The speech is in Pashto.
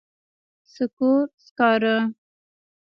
سکور، سکارۀ